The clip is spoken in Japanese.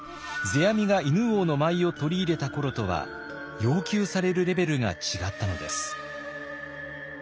世阿弥が犬王の舞を取り入れた頃とは要求されるレベルが違ったのです。